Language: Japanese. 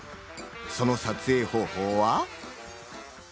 その撮影方法は。